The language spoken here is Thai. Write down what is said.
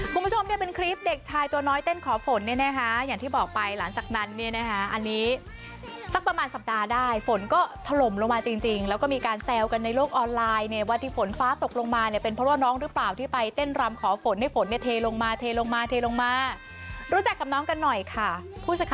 คุณผู้ชมเนี่ยเป็นคลิปเด็กชายตัวน้อยเต้นขอฝนเนี่ยนะคะอย่างที่บอกไปหลังจากนั้นเนี่ยนะคะอันนี้สักประมาณสัปดาห์ได้ฝนก็ถล่มลงมาจริงจริงแล้วก็มีการแซวกันในโลกออนไลน์เนี่ยว่าที่ฝนฟ้าตกลงมาเนี่ยเป็นเพราะว่าน้องหรือเปล่าที่ไปเต้นรำขอฝนให้ฝนเนี่ยเทลงมาเทลงมาเทลงมารู้จักกับน้องกันหน่อยค่ะ